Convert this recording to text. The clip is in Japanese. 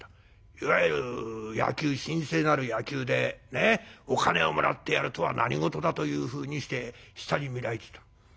いわゆる神聖なる野球でお金をもらってやるとは何事だというふうにして下に見られてた。